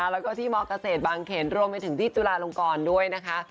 แล้วก็ที่มเกษตรบางเขนรวมไปถึงที่จุฬาลงกรด้วยนะคะ